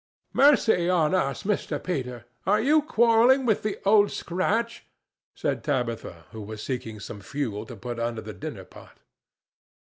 "Mercy on us, Mr. Peter! Are you quarrelling with the Old Scratch?" said Tabitha, who was seeking some fuel to put under the dinner pot.